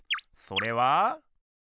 それは。